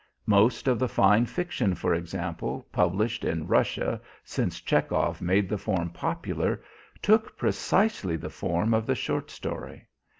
Most of the fine fiction, for example, published in Russia since Chekhov made the form popular, took precisely the form of the short story.